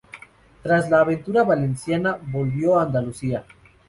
Tras la aventura valenciana volvió a Andalucía.